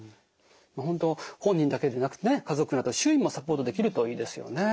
本当本人だけでなくてね家族など周囲もサポートできるといいですよね。